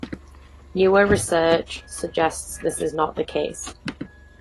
Newer research suggests this is not the case.